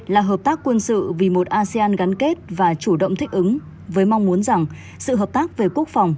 là hợp tác quân sự vì một asean gắn kết và chủ động thích ứng với mong muốn rằng sự hợp tác về quốc phòng